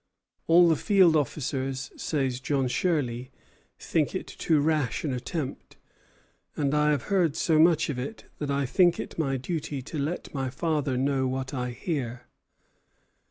"All the field officers," says John Shirley, "think it too rash an attempt; and I have heard so much of it that I think it my duty to let my father know what I hear."